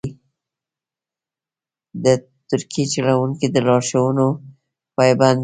د ټرک چلونکي د لارښوونو پابند وي.